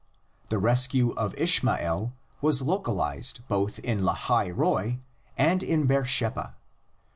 The rescue of Ishmael was localised both in Lahai Roi and in Beersheba (xxi.